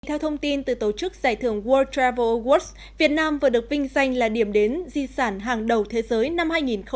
theo thông tin từ tổ chức giải thưởng world travel awards việt nam vừa được vinh danh là điểm đến di sản hàng đầu thế giới năm hai nghìn hai mươi